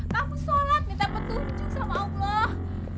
kamu sholat minta petunjuk sama allah